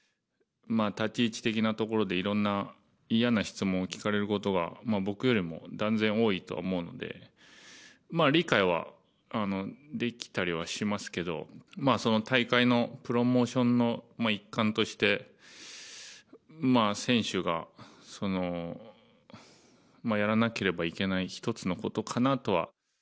立ち位置的なところで、いろんな嫌な質問を聞かれることは、僕よりも断然多いとは思うんで、まあ理解はできたりはしますけど、その大会のプロモーションの一環として、選手がやらなければいけない一つのことかなとは。